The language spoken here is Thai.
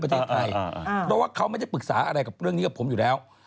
เพราะว่าเขาไม่ได้ปรึกษาอะไรกับเรื่องนี้กับผมอยู่แล้ว